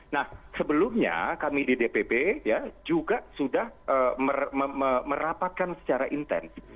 nah sebelumnya kami di dpp juga sudah merapatkan secara intens